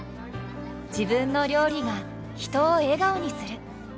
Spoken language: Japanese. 自分の料理が人を笑顔にする。